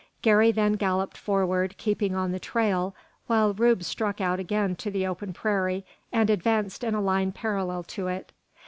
Garey then galloped forward, keeping on the trail, while Rube struck out again to the open prairie, and advanced in a line parallel to it.